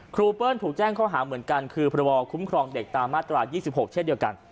เปิ้ลถูกแจ้งข้อหาเหมือนกันคือพระบคุ้มครองเด็กตามมาตรา๒๖เช่นเดียวกัน